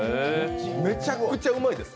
めちゃくちゃうまいです。